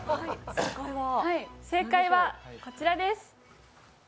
正解はこちらです。